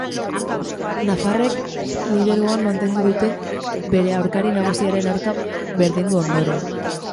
Nafarrek lidergoan mantendu dute bere aurkari nagusiaren aurka berdindu ondoren.